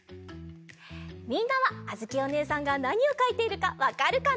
みんなはあづきおねえさんがなにをかいているかわかるかな？